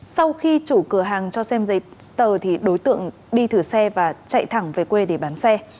sau khi chủ cửa hàng cho xem giấy tờ thì đối tượng đi thử xe và chạy thẳng về quê để bán xe